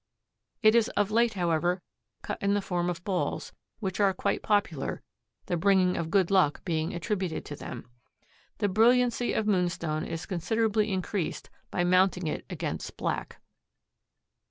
It is of late, however, cut in the form of balls, which are quite popular, the bringing of good luck being attributed to them. The brilliancy of moonstone is considerably increased by mounting it against black.